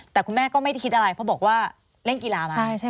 แต่คุณแม่ก็ไม่ได้คิดอะไรเพราะบอกว่าเล่นกีฬามา